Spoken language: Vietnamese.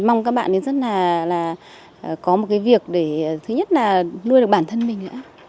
mong các bạn rất là có một cái việc để thứ nhất là nuôi được bản thân mình